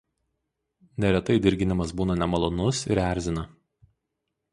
Neretai dirginimas būna nemalonus ir erzina.